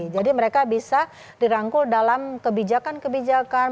jadi mereka bisa dirangkul dalam kebijakan kebijakan